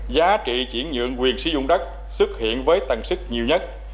giá trị triển nhượng quyền sử dụng đất xuất hiện với tầng sức nhiều nhất